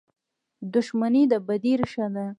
• دښمني د بدۍ ریښه ده.